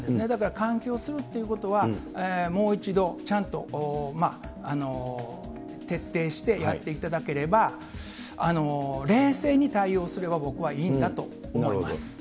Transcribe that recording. だから換気をするということは、もう一度ちゃんと徹底してやっていただければ、冷静に対応すれば、僕はいいんだと思います。